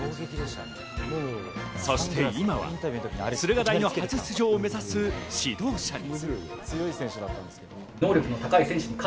そして今は駿河台大の初出場を目指す指導者に。